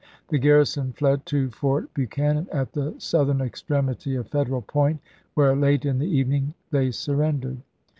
The garrison fled to Fort Buchanan at the southern extremity of Federal Point, where late in the even ing they surrendered.